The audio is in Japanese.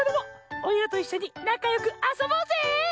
おいらといっしょになかよくあそぼうぜ！